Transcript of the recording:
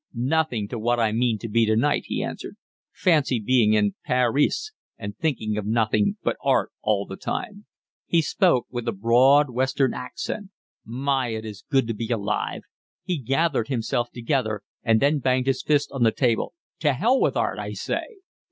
"Nothing to what I mean to be tonight," he answered. "Fancy being in Pa ris and thinking of nothing but art all the time." He spoke with a broad Western accent. "My, it is good to be alive." He gathered himself together and then banged his fist on the table. "To hell with art, I say."